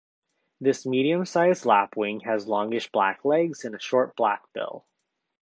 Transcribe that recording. This medium-sized lapwing has longish black legs and a short black bill.